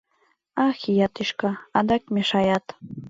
Ах, ия тӱшка, адак мешаят.